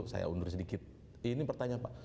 saya undur sedikit ini pertanyaan pak